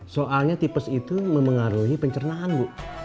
soalnya tipis itu mempengaruhi pencernaan bu